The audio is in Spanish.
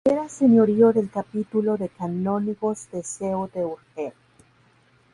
Era señorío del Capítulo de canónigos de Seo de Urgel.